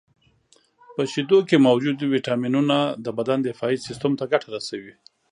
• د شیدو کې موجودې ویټامینونه د بدن دفاعي سیستم ته ګټه رسوي.